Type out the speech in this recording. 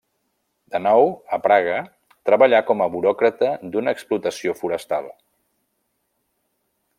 De nou a Praga treballà com a buròcrata d'una explotació forestal.